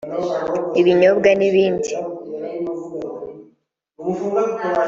ibinyobwa n’ibindi